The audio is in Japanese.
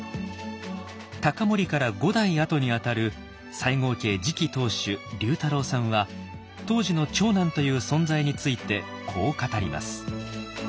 隆盛から５代あとにあたる西郷家次期当主隆太郎さんは当時の長男という存在についてこう語ります。